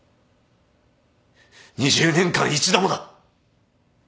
２０年間一度もだ。